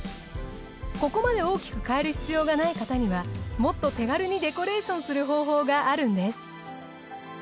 ここまで大きく変える必要がない方にはもっと手軽にデコレーションする方法があるんです。